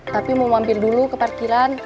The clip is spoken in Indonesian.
tapi mau mampir dulu ke parkiran